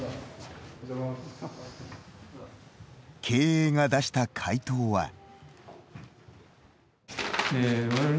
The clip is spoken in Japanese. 経営が出した回答は。